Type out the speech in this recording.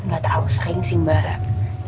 gak terlalu sering sih mbak